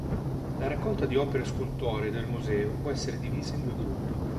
La raccolta di opere scultoree del Museo può essere divisa in due gruppi.